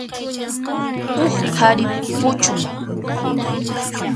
Huk qhari puchun.